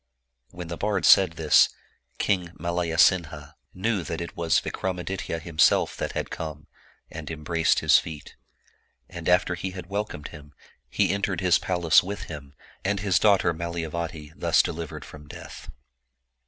When the bard said this, King Malayasinha knew that it was Vikramaditya himself that had come, and embraced his feet. And after he had welcomed him, he entered his palace l6i Oriental Mystery Stories with him, and his daughter Malayavati, thus delivered from death.